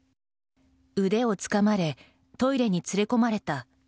腕をつかまれトイレに連れ込まれた。